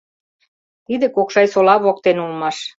Тиде Кокшайсола воктен улмаш.